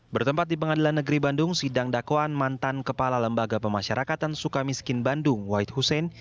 bertempat di pengadilan negeri bandung sidang dakwaan mantan kepala lembaga pemasyarakatan suka miskin bandung wahid hussein